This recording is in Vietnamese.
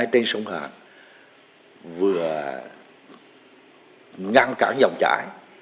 hải đăng trên sông hàn vừa ngăn cản dòng trải